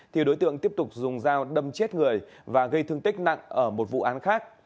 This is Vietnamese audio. thì đối tượng tiếp tục dùng dao đâm chết người và gây thương tích nặng ở một vụ án khác